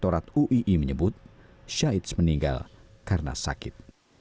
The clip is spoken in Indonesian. tim yang dibentuk rektorat uii menyebut syahid meninggal karena sakit